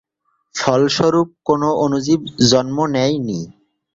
ফলস্বরূপ কোন অণুজীব জন্ম নেয় নি।